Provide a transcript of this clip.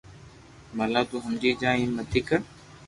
ڀلا تو ھمجي جا ايم متي ڪر